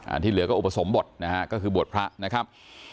ที่เหลือก็อุปสมบทนะฮะก็คือบวชพระนะครับ